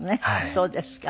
そうですね。